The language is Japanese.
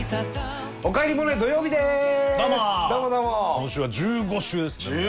今週は１５週ですね